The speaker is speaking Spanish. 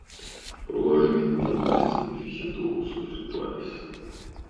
Probablemente este edificio tuvo usos rituales.